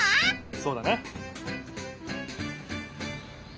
そうだな！